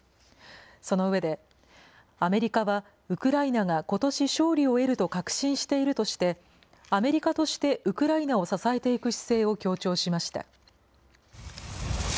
その上で、アメリカは、ウクライナがことし勝利を得ると確信しているとして、アメリカとしてウクライナを支えていく姿勢を強調しました。